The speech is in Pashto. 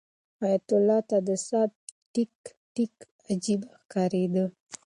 حیات الله ته د ساعت تیک تیک عجیبه ښکارېده.